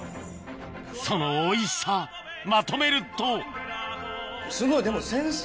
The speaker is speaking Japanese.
そのおいしさまとめるとすごいでも。